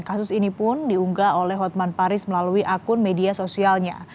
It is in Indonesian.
kasus ini pun diunggah oleh hotman paris melalui akun media sosialnya